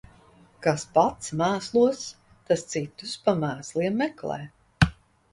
Kas pats mēslos, tas citus pa mēsliem meklē.